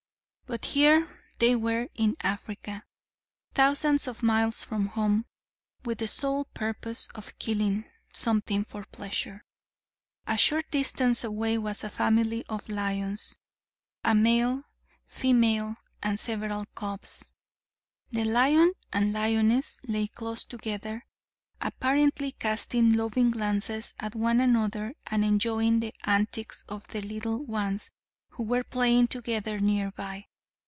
But here they were in Africa, thousands of miles from home, with the sole purpose of killing something for pleasure. A short distance away was a family of lions; a male, female and several cubs. The lion and lioness lay close together, apparently casting loving glances at one another and enjoying the antics of the little ones who were playing together nearby.